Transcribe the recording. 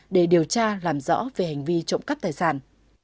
để điều tra làm rõ về hành vi trộm cắp tài sản